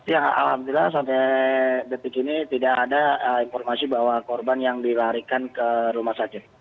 ya alhamdulillah sampai detik ini tidak ada informasi bahwa korban yang dilarikan ke rumah sakit